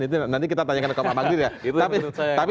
itu nanti kita tanyakan ke pak magli